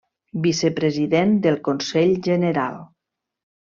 Vicepresident del Consell General.